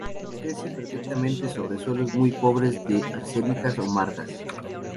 Crece preferentemente, sobre suelos muy pobres de areniscas o margas.